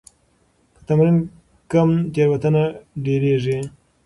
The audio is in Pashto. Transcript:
که تمرین کم وي، تېروتنه ډېريږي.